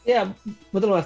ya betul mas